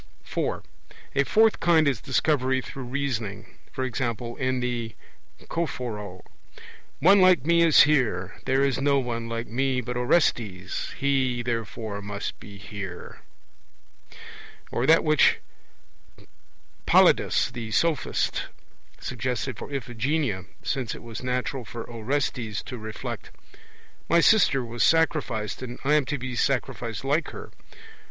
(4) A fourth kind is Discovery through reasoning; e.g. in The Choephoroe: 'One like me is here; there is no one like me but Orestes; he, therefore, must be here.' Or that which Polyidus the Sophist suggested for Iphigenia; since it was natural for Orestes to reflect: 'My sister was sacrificed, and I am to be sacrificed like her.'